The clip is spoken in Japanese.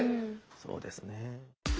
そうですね。